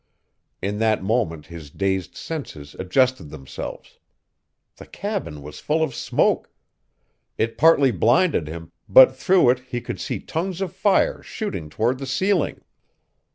In that moment his dazed senses adjusted themselves. The cabin was full of smoke. It partly blinded him, but through it he could see tongues of fire shooting toward the ceiling.